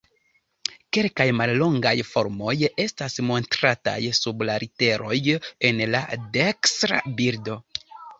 Kelkaj mallongaj formoj estas montrataj sub la literoj en la dekstra bildo.